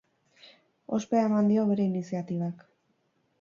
Ospea eman dio bere iniziatibak.